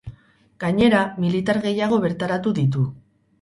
Gainera, militar gehiago bertaratu ditu.